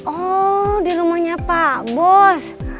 oh di rumahnya pak bos